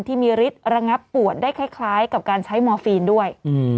ที่มีฤทธิระงับปวดได้คล้ายกับการใช้มอร์ฟีนด้วย